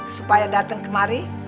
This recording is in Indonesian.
supaya dateng kemari